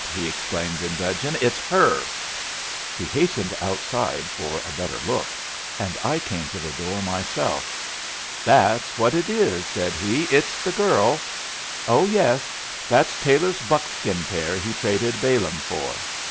he exclaimed, in dudgeon. "It's her." He hastened outside for a better look, and I came to the door myself. "That's what it is," said he. "It's the girl. Oh yes. That's Taylor's buckskin pair he traded Balaam for.